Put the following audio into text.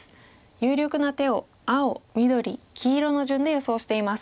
有力な手を青緑黄色の順で予想しています。